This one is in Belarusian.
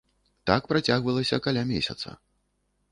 Так працягвалася каля месяца.